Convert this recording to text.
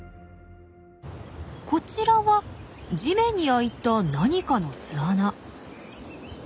こちらは地面に開いた何かの巣穴。